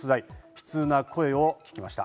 悲痛な声を聞きました。